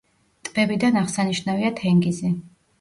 ტბებიდან აღსანიშნავია თენგიზი.